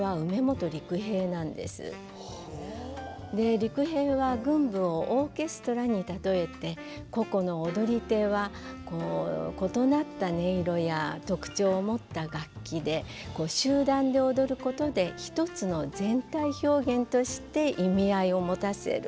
陸平は群舞をオーケストラにたとえて個々の踊り手は異なった音色や特徴を持った楽器で集団で踊ることでひとつの全体表現として意味合いを持たせる。